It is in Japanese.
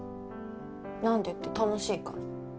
なんでって楽しいから。